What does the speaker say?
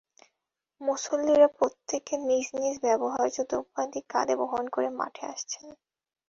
মুসল্লিরা প্রত্যেকে নিজ নিজ ব্যবহার্য দ্রব্যাদি কাঁধে বহন করে মাঠে আসছেন।